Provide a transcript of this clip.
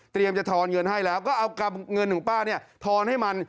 จะทอนเงินให้แล้วก็เอาเงินของป้าเนี่ยทอนให้มัน